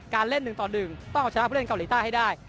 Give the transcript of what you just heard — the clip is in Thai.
การเล่นหนึ่งต่อหนึ่งต้องชนะเพื่อเล่นเกาหลีใต้ให้ได้